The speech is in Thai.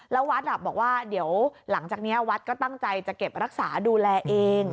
แล้ววัดบอกว่าเดี๋ยวหลังจากนี้วัดก็ตั้งใจจะเก็บรักษาดูแลเอง